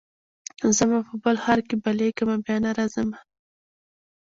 ځمه په بل ښار کي بلېږمه بیا نه راځمه